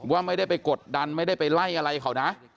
ว่าไม่ได้ไปกดดันไม่ได้ไปไล่อะไรเขานะ